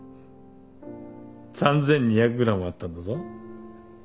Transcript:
３，２００ｇあったんだぞ。